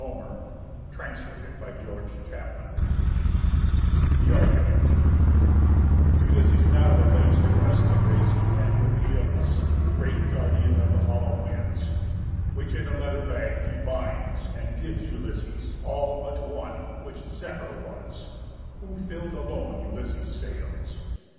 THE TENTH BOOK OF HOMER'S ODYSSEYS THE ARGUMENT Ulysses now relates to us The grace he had with Æolus, Great Guardian of the hollow Winds; Which in a leather bag he binds, And gives Ulysses; all but one, Which Zephyr was, who fill'd alone Ulysses' sails.